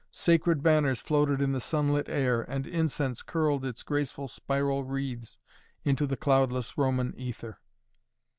Sacred banners floated in the sunlit air and incense curled its graceful spiral wreaths into the cloudless Roman ether.